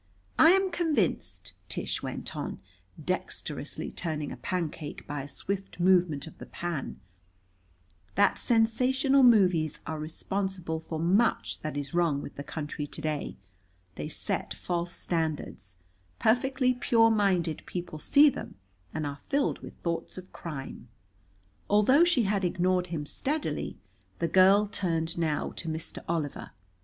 "I am convinced," Tish went on, dexterously turning a pancake by a swift movement of the pan, "that sensational movies are responsible for much that is wrong with the country to day. They set false standards. Perfectly pure minded people see them and are filled with thoughts of crime." Although she had ignored him steadily, the girl turned now to Mr. Oliver.